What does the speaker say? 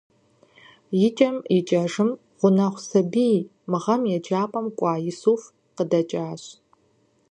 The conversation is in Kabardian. Икӏэм икӏэжым, гъунэгъу сабий - мы гъэм еджапIэм кӏуа Исуф - къыдэкӏащ.